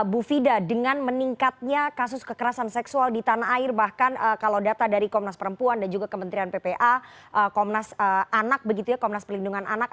bu fida dengan meningkatnya kasus kekerasan seksual di tanah air bahkan kalau data dari komnas perempuan dan juga kementerian ppa komnas anak begitu ya komnas perlindungan anak